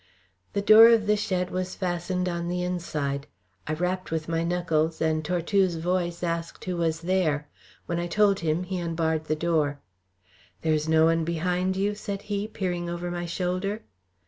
The door of the shed was fastened on the inside; I rapped with my knuckles, and Tortue's voice asked who was there. When I told him, he unbarred the door. "There is no one behind you?" said he, peering over my shoulder.